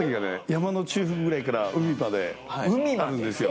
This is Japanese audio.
山の中腹ぐらいから海まであるんですよ。